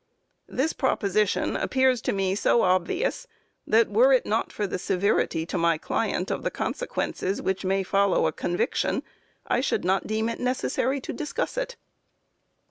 This proposition appears to me so obvious, that were it not for the severity to my client of the consequences which may follow a conviction, I should not deem it necessary to discuss it.